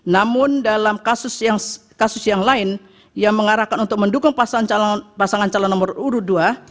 namun dalam kasus yang lain yang mengarahkan untuk mendukung pasangan calon nomor urut dua